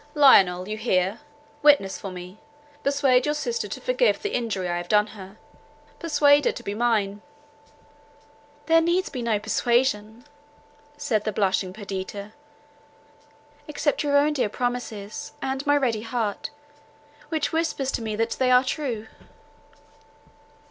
"Lionel, you hear: witness for me: persuade your sister to forgive the injury I have done her; persuade her to be mine." "There needs no persuasion," said the blushing Perdita, "except your own dear promises, and my ready heart, which whispers to me that they are true."